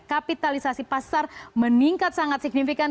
kapitalisasi pasar meningkat sangat signifikan